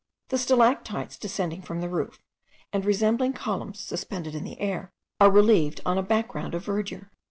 The stalactites descending from the roof, and resembling columns suspended in the air, are relieved on a back ground of verdure.